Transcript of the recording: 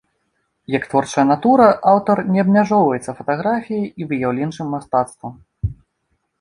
Як творчая натура аўтар не абмяжоўваецца фатаграфіяй і выяўленчым мастацтвам.